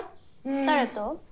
誰と？